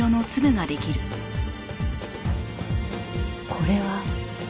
これは？